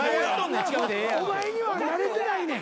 お前には慣れてないねん。